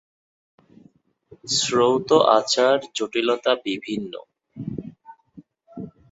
শ্রৌত আচার জটিলতা বিভিন্ন।